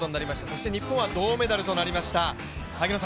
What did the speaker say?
そして日本は銅メダルとなりました。